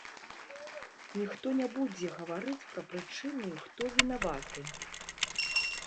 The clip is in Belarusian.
Ніхто не будзе гаварыць пра прычыны і хто вінаваты.